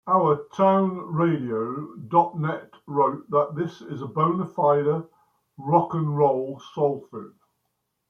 OurTownRadio dot net wrote that This is bona-fide rock n' roll soul food.